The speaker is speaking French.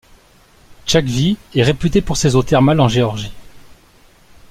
Tchakvi est réputée pour ses eaux thermales en Géorgie.